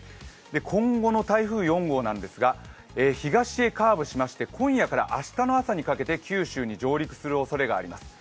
今後の台風４号なんですが東へカーブしまして、今夜から明日の朝にかけて九州に上陸するおそれがあります。